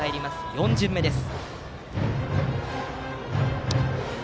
４巡目です。